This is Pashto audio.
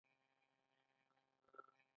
آیا د میپل شربت د کاناډا نښه نه ده؟